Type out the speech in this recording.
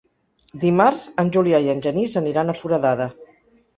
Dimarts en Julià i en Genís aniran a Foradada.